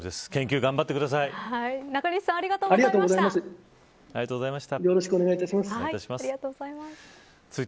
研究、頑張ってください。